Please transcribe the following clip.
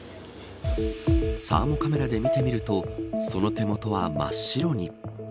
サーモカメラで見てみるとその手元は真っ白に。